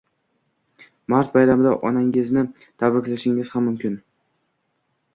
Mart bayramida onangizni tabriklashingiz ham mumkin.